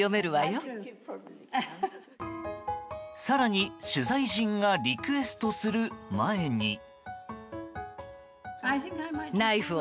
更に取材陣がリクエストする前に。